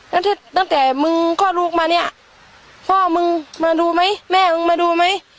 แล้วที่ตั้งแต่มึงคลอดลูกมาเนี่ยพ่อมึงมาดูไหมแม่มึงมาดูไหม